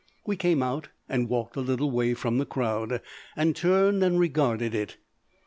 We came out and walked a little way from the crowd, and turned and regarded it.